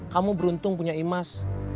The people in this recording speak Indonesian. kamu beruntung punya imas